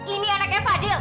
ini anaknya fadil